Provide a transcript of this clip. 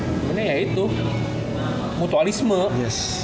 sebenarnya ya itu mutualisme